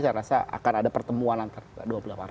saya rasa akan ada pertemuan nanti